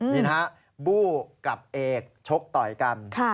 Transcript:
นี่นะฮะบู้กับเอกชกต่อยกัน